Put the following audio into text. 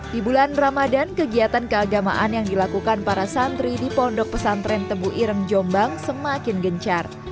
di bulan ramadan kegiatan keagamaan yang dilakukan para santri di pondok pesantren tebu ireng jombang semakin gencar